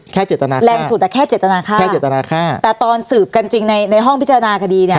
เจตนาแรงสุดอ่ะแค่เจตนาค่าแค่เจตนาค่าแต่ตอนสืบกันจริงในในห้องพิจารณาคดีเนี่ย